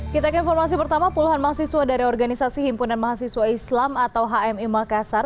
kita ke informasi pertama puluhan mahasiswa dari organisasi himpunan mahasiswa islam atau hmi makassar